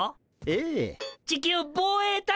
ええ。